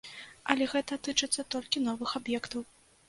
Але гэта тычыцца толькі новых аб'ектаў.